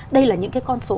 đây là những cái con số